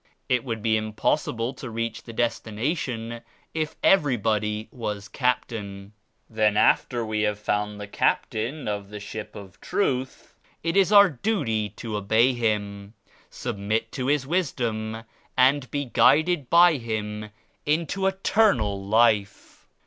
It would be im possible to reach the destination if everybody was Captain. Then after we have found the Captain of the ship of Truth, it is our duty to obey Him, submit to His Wisdom and be guided by Him into Eternal Life."